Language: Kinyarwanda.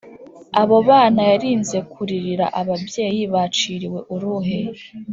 Abo bana yarinze Kuririra ababyeyi Baciriwe uruhe?